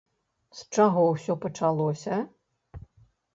З чаго ўсё пачалося?